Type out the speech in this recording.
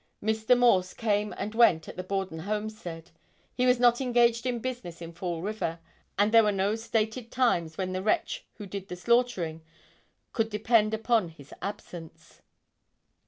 Mr. Morse came and went at the Borden homestead. He was not engaged in business in Fall River and there were no stated times when the wretch who did the slaughtering could depend upon his absence.